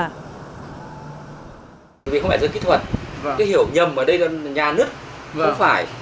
không phải dưới kỹ thuật hiểu nhầm ở đây là nhà nứt không phải